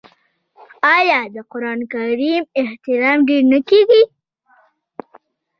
آیا د قران کریم احترام ډیر نه کیږي؟